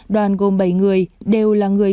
đoàn gồm bảy người đều là người